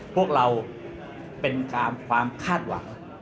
พวกเราเป็นตามความคาดหวัง